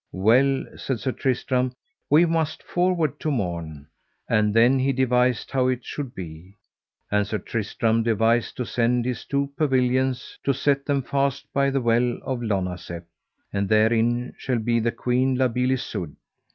Well, said Sir Tristram, we must forward to morn. And then he devised how it should be; and Sir Tristram devised to send his two pavilions to set them fast by the well of Lonazep, and therein shall be the queen La Beale Isoud.